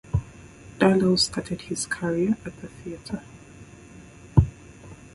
Darlow started his career at the theatre.